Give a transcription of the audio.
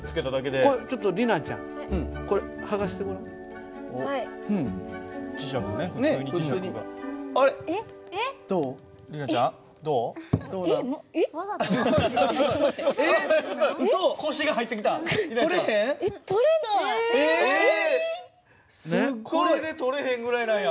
これで取れへんぐらいなんや。